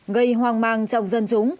gây hoang mang trong dân chúng